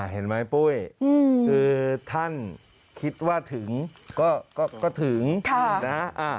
เห็นไหมปุ้ยคือท่านคิดว่าถึงก็ถึงนะ